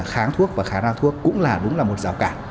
kháng thuốc và kháng lao thuốc cũng là đúng là một rào cản